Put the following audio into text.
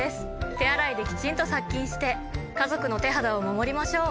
手洗いできちんと殺菌して家族の手肌を守りましょう！